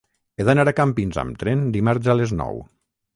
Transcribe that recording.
He d'anar a Campins amb tren dimarts a les nou.